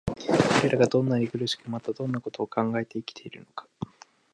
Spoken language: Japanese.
彼等がどんなに苦しく、またどんな事を考えて生きているのか、